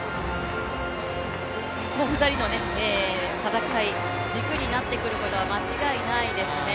２人の戦い、軸になってくることは間違いないですね。